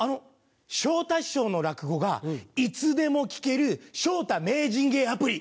昇太師匠の落語がいつでも聞ける昇太名人芸アプリ！